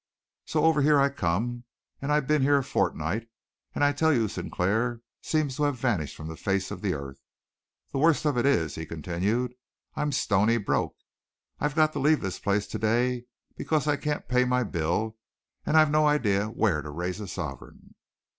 So over here I come, and I've been here a fortnight, and I tell you Sinclair seems to have vanished from the face of the earth. The worst of it is," he continued, "I'm stoney broke. I've got to leave this place to day because I can't pay my bill, and I've no idea where to raise a sovereign."